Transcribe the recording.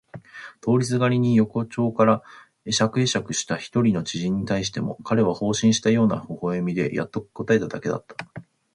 通りすがりに横町から会釈えしゃくした一人の知人に対しても彼は放心したような微笑でやっと答えただけだった。